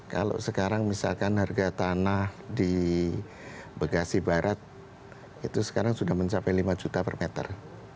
kalau sekarang misalkan harga tanah di bekasi barat itu sekarang sudah mencapai lima juta per meter